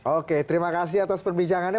oke terima kasih atas perbincangannya